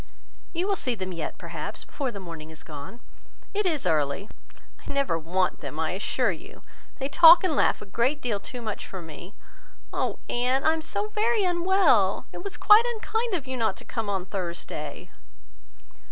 "You will see them yet, perhaps, before the morning is gone. It is early." "I never want them, I assure you. They talk and laugh a great deal too much for me. Oh! Anne, I am so very unwell! It was quite unkind of you not to come on Thursday."